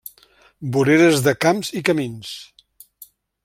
Voreres de camps i camins.